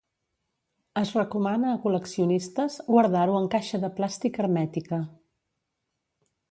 Es recomana a col·leccionistes guardar-ho en caixa de plàstic hermètica.